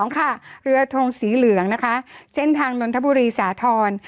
ค่ะเรือทงสีเหลืองนะคะเส้นทางนนทบุรีสาธรณ์